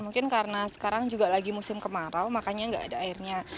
mungkin karena sekarang juga lagi musim kemarau makanya nggak ada airnya